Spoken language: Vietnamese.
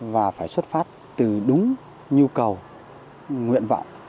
và phải xuất phát từ đúng nhu cầu nguyện vọng